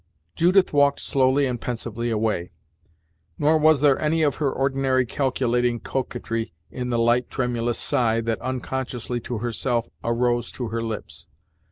Judith walked slowly and pensively away, nor was there any of her ordinary calculating coquetry in the light tremulous sigh that, unconsciously to herself, arose to her lips.